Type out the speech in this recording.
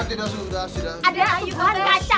tidak sudah sudah